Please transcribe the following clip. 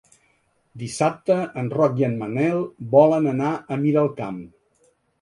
Dissabte en Roc i en Manel volen anar a Miralcamp.